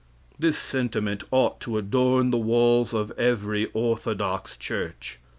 This sentiment ought to adorn the walls of every orthodox church.